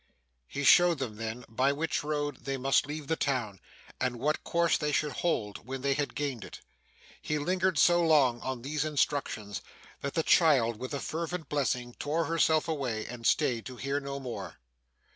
He showed them, then, by which road they must leave the town, and what course they should hold when they had gained it. He lingered so long on these instructions, that the child, with a fervent blessing, tore herself away, and stayed to hear no more.